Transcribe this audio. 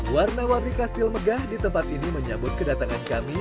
warna warni kastil megah di tempat ini menyambut kedatangan kami